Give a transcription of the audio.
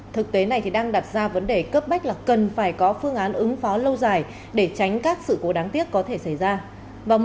thực tế này thì đang đặt ra vấn đề cấp bách là cần phải có phương án ứng phó lâu dài để tránh các sự cố đáng tiếc có thể xảy ra